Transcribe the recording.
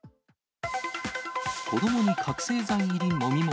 子どもに覚醒剤入り飲み物。